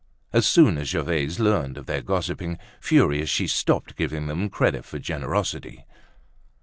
As soon as Gervaise learned of their gossiping, furious, she stopped giving them credit for generosity.